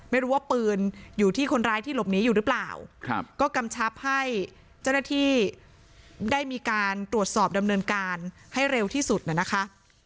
ไม่รู้ว่าปืนอยู่ที่คนร้ายที่หลบหนีอยู่หรือเปล่าก็กำชับให้เจ้าหน้าที่ได้มีการตรวจสอบดำเนินการให้เร็วที่สุดน่ะนะคะ